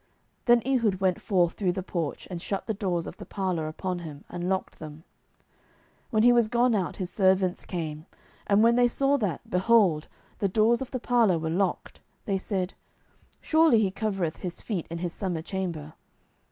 07:003:023 Then Ehud went forth through the porch, and shut the doors of the parlour upon him, and locked them. 07:003:024 When he was gone out, his servants came; and when they saw that, behold, the doors of the parlour were locked, they said, Surely he covereth his feet in his summer chamber.